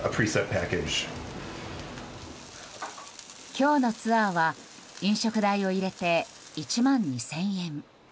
今日のツアーは飲食代を入れて１万２０００円。